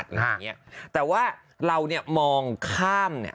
ดำเนินคดีต่อไปนั่นเองครับ